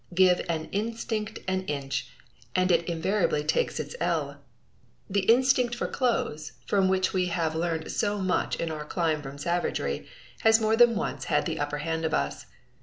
Give an instinct an inch, and it invariably takes its ell! The instinct for clothes, from which we have learned so much in our climb from savagery, has more than once had the upper hand of us.